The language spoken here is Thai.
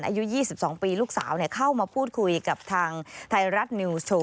อายุ๒๒ปีลูกสาวเข้ามาพูดคุยกับทางไทยรัฐนิวส์โชว์